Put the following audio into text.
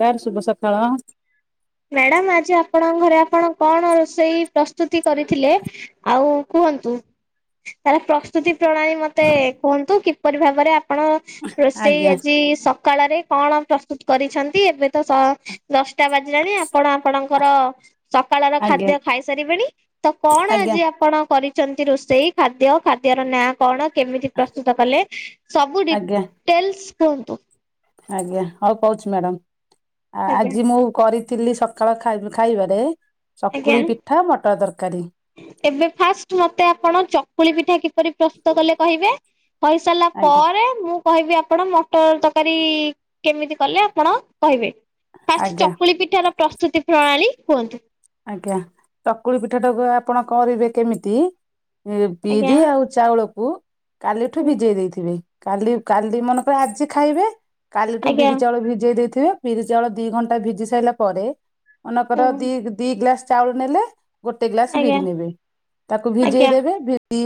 Car ଶୁଭ ସକାଳ। Madam ଆଜି ଆପଣଙ୍କ ଘରେ ଆପଣ କଣ ରୋଷେଇ ପ୍ରସ୍ତୁତି କରିଥିଲେ? ଆଉ କୁହନ୍ତୁ ତାର ପ୍ର ପ୍ରସ୍ତୁତି ପ୍ରଣାଳୀ ମତେ କୁହନ୍ତୁ କିପରି ଭାବରେ ଆପଣ ରୋଷେଇ ଆଜ୍ଞା ଆଯି ସ ସକାଳରେ କଣ ପ୍ରସ୍ତୁତ କରିଛନ୍ତି ଏବେ ତ ସ ଦଶଟା ବାଜିଲାଣି କଣ ଆପଣଙ୍କର ସକାଳର ଆଜ୍ଞା ଖାଦ୍ୟ ଖାଇସାରିବେଣି ତ କଣ ଆଜ୍ଞା ଆଜି ଆପଣ କରି ଚନ୍ତି ରୋଷେଇ ଖାଦ୍ୟ ଖାଦ୍ୟର ନାଁ କଣ କେମିତି ପ୍ରସ୍ତୁତ କଲେ ସବୁ ଡି ଆଜ୍ଞା ଟେଲ୍ସ କୁହନ୍ତୁ? ଆଜ୍ଞା ହଉ କହୁଛି ମ୍ୟାଡାମ ଆଜ୍ଞା ଆଜି ମୁଁ କରି ତିିଲ୍ଲି ସକାଳ ଖା ଖାଇବାରେ ଚକୁଳି ଆଜ୍ଞା। ପିଠା ମଟର ତରକାରୀ। ଏବେ ଫାଷ୍ଟ ମତେ ଆପଣ ଚକୁଳି ପିଠା କିପରି ପ୍ରସ୍ତୁତ କଲେ କହିବେ? କହିସାରିଲା ଆଜ୍ଞା ପରେ ମୁଁ କହିବି ଆପଣ ମଟର ତରକାରୀ କେମିତି କଲେ ଆପଣ କହିବେ? ଫାଷ୍ଟ ଆଜ୍ଞା ଚକୁଳି ପିଠ ର ପ୍ରସ୍ତୁତି ପ୍ରଣାଳୀ କୁହନ୍ତୁ? ଆଜ୍ଞା ତକୁଳି ପିଠାଟାକୁ ଆପଣ କରିବେ କେମିତି ଆଜ୍ଞା। ବିରି ଆଉ ଚାଉଳକୁ କାଲିଠୁ ହୁଁ ଭିଜେଇ ଦେଇଥିବେ କାଲି କାଲି ମନେକରେ ଆଜି ଖାଇବେ କାଲିଠୁ ଆଜ୍ଞା ବିରି ଚାଉଳ ଭିଜେଇ ଦେଇଥିବେ ବିରି ଚାଉଳ ଦିଇ ଘଣ୍ଟା ଭିଜି ସାରିଲା ପରେ ମନେକର ହୁଁ ଦି ଦି ଗ୍ଲାସ ଚାଉଳ ନେଲେ ଗୋଟେ ଗ୍ଲାସ ଆଜ୍ଞା ବିରି ନେବେ ତାକୁ ଆଜ୍ଞା। ଭିଜେଇ ଦେବେ ଭି ଦି ଘ